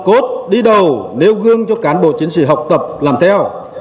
cốt đi đầu nêu gương cho cán bộ chiến sĩ học tập làm theo